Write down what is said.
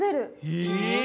え？